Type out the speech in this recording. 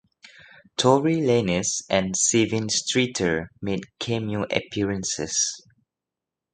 Tory Lanez and Sevyn Streeter made cameo appearances.